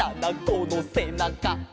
このせなか」